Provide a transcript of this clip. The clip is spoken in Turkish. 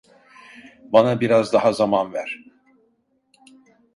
Bana biraz daha zaman ver.